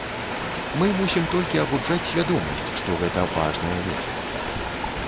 Мы мусім толькі абуджаць свядомасць, што гэта важнае месца.